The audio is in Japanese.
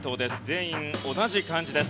全員同じ漢字です。